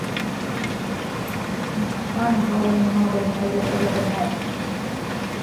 كان فاضل يناضل من أجل حقوق المرأة.